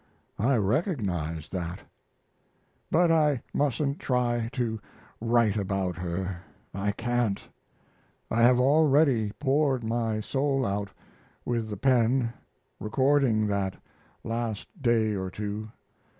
I recognized that. But I mustn't try to write about her I can't. I have already poured my heart out with the pen, recording that last day or two.